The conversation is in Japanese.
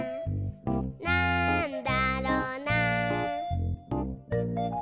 「なんだろな？」